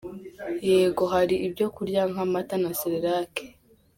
Yego hari ibyo kurya nk’amata na celerac.